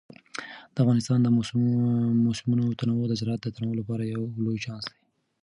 د افغانستان د موسمونو تنوع د زراعت د تنوع لپاره یو لوی چانس دی.